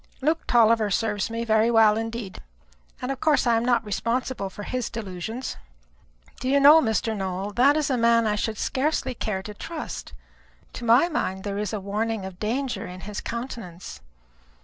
Luke Tulliver serves me very well indeed, and of course I am not responsible for his delusions." "Do you know, Mr. Nowell, that is a man I should scarcely care to trust. To my mind there is a warning of danger in his countenance."